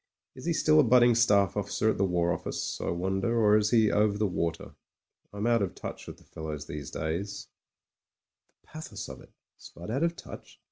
Is he still a budding Staff Officer at the War Office, I wonder, or is he over the water ? Fm out of touch with the fellows in these days — (the pathos of it: Spud out of touch.